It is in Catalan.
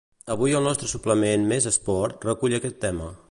Avui el nostre suplement Més Esport recull aquest tema.